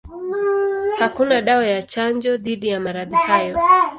Hakuna dawa ya chanjo dhidi ya maradhi hayo.